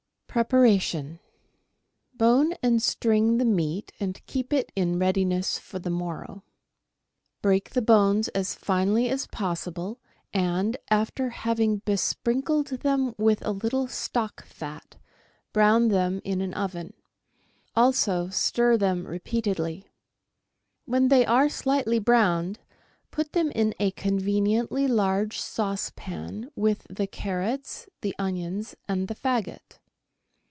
Preparation. — Bone and string the meat, and keep it in readiness for the morrow. Break the bones as finely as pos sible, and, after having besprinkled them with a little stock fat, brown them in an oven ; also stir them repeatedly. When they are slightly browned, put them in a conveniently large sauce pan with the carrots, the onions, and the faggot.